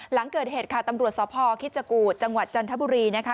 หลังเกิดเหตุค่ะตำรวจสพคิจกูธจังหวัดจันทบุรีนะคะ